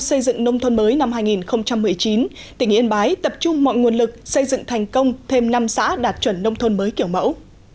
sau gần chín năm thực hiện mục tiêu xây dựng nông thôn mới năm hai nghìn một mươi chín tỉnh yên bái tập trung mọi nguồn lực xây dựng thành công thêm năm xã đạt chuẩn nông thôn mới kiểu mẫu